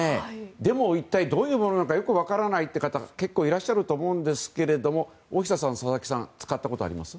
でも、一体どういうものなのかよく分からないという方結構いらっしゃると思うんですけれども大下さん、佐々木さん使ったことあります？